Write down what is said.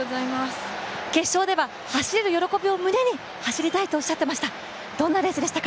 決勝では走れる喜びを胸に走りたいとおっしゃってました。